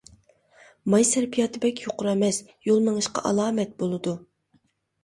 ماي سەرپىياتى بەك يۇقىرى ئەمەس، يول مېڭىشقا ئالامەت بولىدۇ.